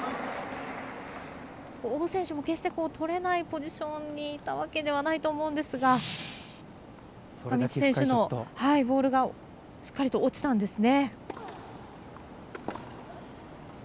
王選手も、決してとれないポジションにいたわけではないと思うんですが上地選手のボールがしっかりと、落ちたんですね。